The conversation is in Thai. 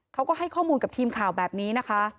เขาก็ให้ข้อมูลกับทีมข่าวแบบนี้นะคะ